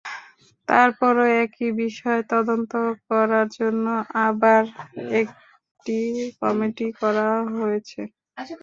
তারপরও একই বিষয় তদন্ত করার জন্য আবার একটি কমিটি করা হয়েছে।